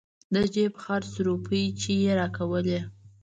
د جيب خرڅ روپۍ چې يې راکولې.